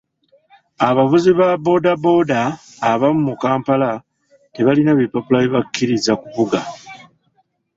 Abavuzi ba boodabooda abamu mu Kampala tebalina bipapula bibakkiriza kuvuga.